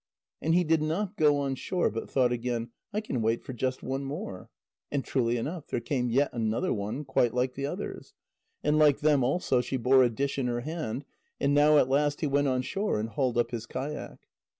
And he did not go on shore, but thought again: "I can wait for just one more." And truly enough, there came yet another one, quite like the others. And like them also, she bore a dish in her hand. And now at last he went on shore and hauled up his kayak.